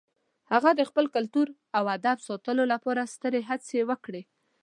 هغه د خپل کلتور او ادب ساتلو لپاره سترې هڅې وکړې.